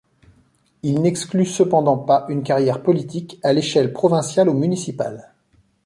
Il n'exclut cependant pas une carrière politique à l'échelle provinciale ou municipale.